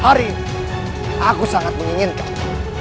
hari aku sangat menginginkan